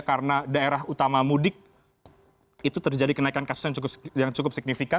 karena daerah utama mudik itu terjadi kenaikan kasus yang cukup signifikan